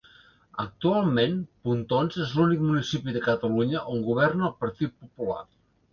Actualment, Pontons és l'únic municipi de Catalunya on governa el Partit Popular.